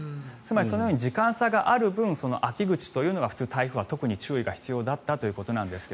そのように時間差がある分秋口というのは普通、台風は特に注意が必要だったということなんですが。